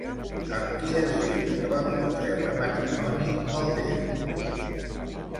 Amb qui es diu que va contreure matrimoni el déu?